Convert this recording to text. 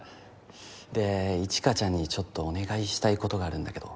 で一華ちゃんにちょっとお願いしたいことがあるんだけど。